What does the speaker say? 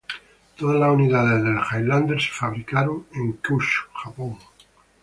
Todas las unidades del Highlander se fabricaron en Kyushu, Japón.